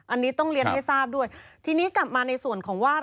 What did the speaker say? อันนี้ต้องเรียนให้ทราบด้วยทีนี้กลับมาในส่วนของว่า